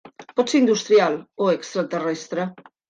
Pot ser industrial o extraterrestre.